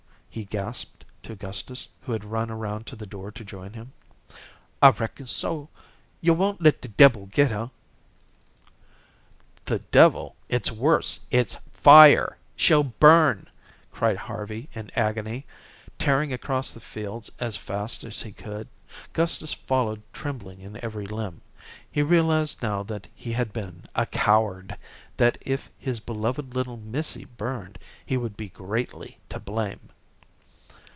he gasped to Gustus who had run around to the door to join him. "I reckon so. Yo' won't let de debbil get her." "The devil? It's worse. It's fire. She'll burn," cried Harvey in agony, tearing across the fields as fast as he could. Gustus followed trembling in every limb. He realized now that he had been a coward, that if his beloved little "missy" burned, he would be greatly to blame.